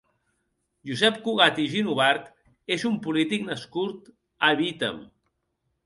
Josep Cugat i Ginovart és un polític nascut a Bítem.